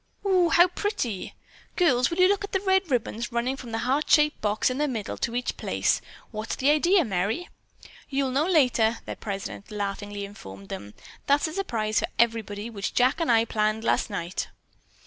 "Oh oo, how pretty!" "Girls, will you look at the red ribbons running from that heart shaped box in the middle to each place! What's the idea, Merry?" "You'll know later," their president laughingly informed them. "That's a surprise for everybody which Jack and I planned last night."